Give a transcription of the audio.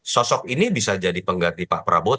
sosok ini bisa jadi pengganti pak prabowo